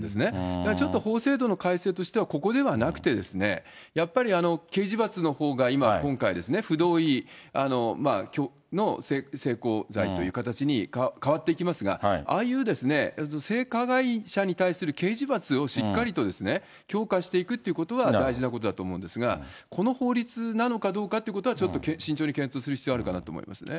だからちょっと法制度の改正としてはここではなくてですね、やっぱり刑事罰のほうが今、今回、不同意の性交罪という形に変わっていきますが、ああいう性加害者に対する刑事罰をしっかりと強化していくっていうことは大事なことだと思うんですが、この法律なのかどうかということは、ちょっと慎重に検討する必要あるかなと思いますね。